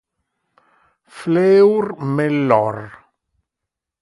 Fleur Mellor